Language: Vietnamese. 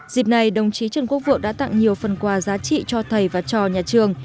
dịp này đồng chí trần quốc vượng đã tặng nhiều phần quà giá trị cho thầy và trò nhà trường